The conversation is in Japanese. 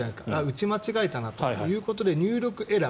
打ち間違えたなということで入力エラー。